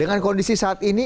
dengan kondisi saat ini